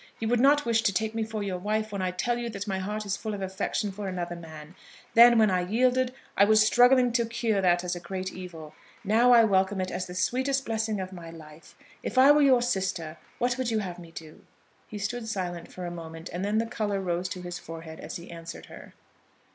You would not wish to take me for your wife when I tell you that my heart is full of affection for another man. Then, when I yielded, I was struggling to cure that as a great evil. Now I welcome it as the sweetest blessing of my life. If I were your sister, what would you have me do?" He stood silent for a moment, and then the colour rose to his forehead as he answered her.